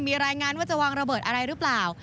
มีรายงานว่าจะวางระเบิดอะไรหรือเปล่า